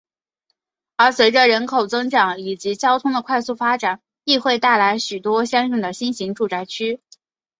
而随着人口增长以及交通的快速发展亦会带来许多相应的新型住宅区。